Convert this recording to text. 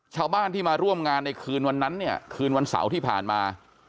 ชาวบ้านที่มาร่วมงานในคืนวันนั้นเนี่ยคืนวันเสาร์ที่ผ่านมา